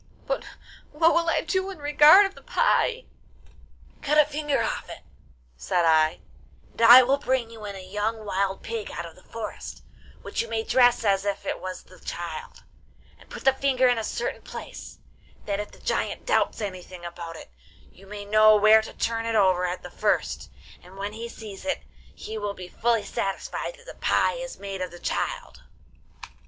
"But what will I do in regard of the pie?" '"Cut a finger off it," said I, "and I will bring you in a young wild pig out of the forest, which you may dress as if it was the child, and put the finger in a certain place, that if the giant doubts anything about it you may know where to turn it over at the first, and when he sees it he will be fully satisfied that the pie is made of the child."